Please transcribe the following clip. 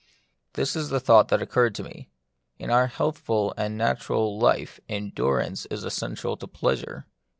This is the thought thgt occurred to me: In our healthful and natural life endurance is essential to pleasure.